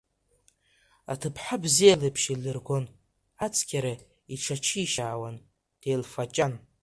Аҭыԥҳа бзиа леиԥш еилиргон, ацқьара иҽаҿишьаауан, деилфаҷан.